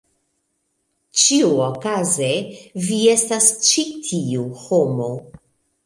Ĉiuokaze vi estas ĉi tiu homo.